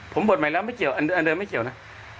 ผมบวชใหม่แล้วไม่เกี่ยวอันเดิมไม่เกี่ยวนะ